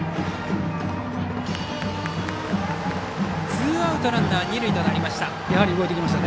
ツーアウトランナー、二塁となりました。